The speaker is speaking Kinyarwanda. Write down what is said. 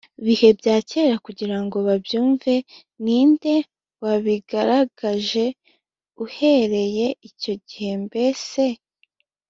bihe bya kera kugira ngo babyumve ni nde wabigaragaje uhereye icyo gihe mbese